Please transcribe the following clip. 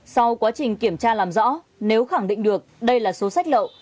sau quá trình kiểm tra làm rõ nếu khẳng định được đây là số sách lậu